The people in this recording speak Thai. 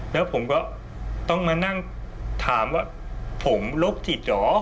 แล้วผมก็ต้องมานั่งถามว่าผมโรคจิตเหรอ